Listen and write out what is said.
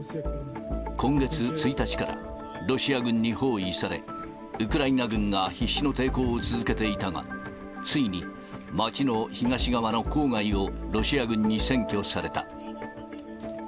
今月１日から、ロシア軍に包囲され、ウクライナ軍が必死の抵抗を続けていたが、ついに、街の東側の郊外をロシア軍に占拠された。